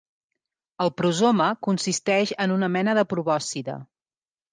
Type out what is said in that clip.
El prosoma consisteix en una mena de probòscide.